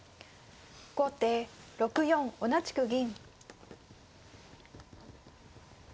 後手６四同じく銀。